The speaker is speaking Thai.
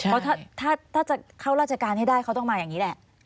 เพราะถ้าจะเข้าราชการให้ได้เขาต้องมาอย่างนี้แหละ